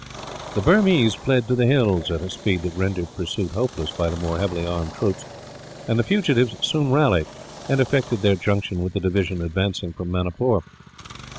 The Burmese fled to the hills, at a speed that rendered pursuit hopeless by the more heavily armed troops; and the fugitives soon rallied, and effected their junction with the division advancing from Manipur.